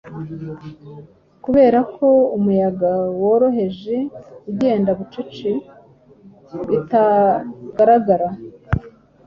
Kuberako umuyaga woroheje ugenda Bucece, bitagaragara.